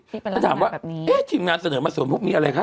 ใช้เป็นลักษณะแบบนี้แล้วถามว่าเอ๊ยทีมงานเสนอมาเสริมพวกเนี้ยอะไรคะ